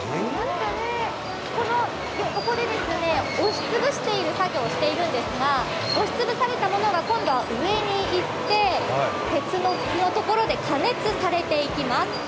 ここで押し潰す作業をしているんですが押しつぶされたものが今度は上に行って、鉄の筒のところで加熱されていきます。